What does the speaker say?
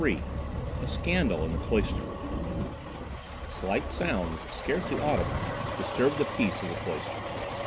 XXXIII A SCANDAL IN THE CLOISTER Slight sounds, scarcely audible, disturbed the peace of the cloister.